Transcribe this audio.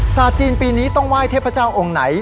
จีนปีนี้ต้องไหว้เทพเจ้าองค์ไหน